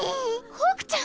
ホークちゃん！